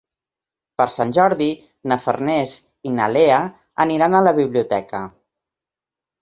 Per Sant Jordi na Farners i na Lea aniran a la biblioteca.